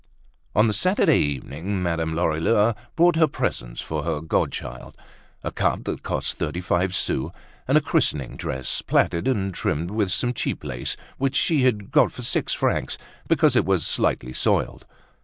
On the Saturday evening, Madame Lorilleux brought her presents for her godchild—a cup that cost thirty five sous, and a christening dress, plaited and trimmed with some cheap lace, which she had got for six francs, because it was slightly soiled.